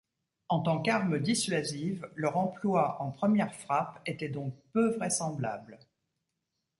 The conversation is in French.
En tant qu'armes dissuasives, leur emploi en première frappe était donc peu vraisemblable.